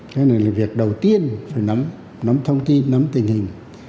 thế này là việc đầu tiên phải nắm thông tin nắm tình hình